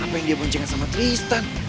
apa yang dia boncengkan sama tristan